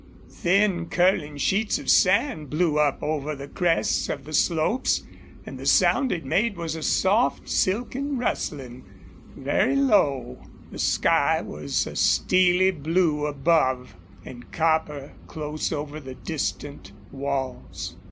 Thin, curling sheets of sand blew up over the crests of the slopes, and the sound it made was a soft, silken rustling, very low. The sky was a steely blue above and copper close over the distant walls.